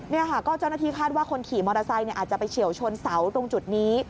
นี่ค่ะก็เจ้าหน้าที่คาดว่าคนขี่มอเตอร์ไซค์อาจจะไปเฉียวชนเสาตรงจุดนี้